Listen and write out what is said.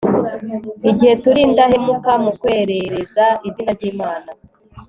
igihe turi indahemuka mu kwerereza izina ry'imana